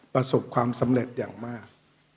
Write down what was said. ประสบความสำเร็จอย่างมาก